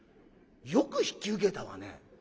よく引き受けたわね。